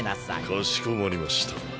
かしこまりました。